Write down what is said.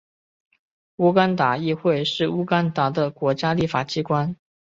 乌干达议会是乌干达的国家立法机关。